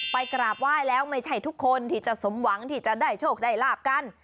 กราบไหว้แล้วไม่ใช่ทุกคนที่จะสมหวังที่จะได้โชคได้ลาบกัน